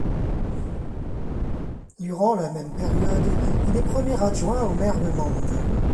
Durant la même période, il est premier adjoint au maire de Mende.